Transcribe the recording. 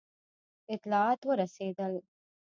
اطلاعات ورسېدل.